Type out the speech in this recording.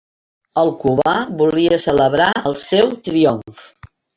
El Cubà volia celebrar el seu triomf.